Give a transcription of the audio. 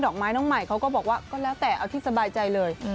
อกไม้น้องใหม่เขาก็บอกว่าก็แล้วแต่เอาที่สบายใจเลย